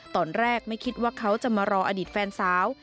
ตอนแรกไม่คิดว่าเขาจะมารออดีตแฟนสาว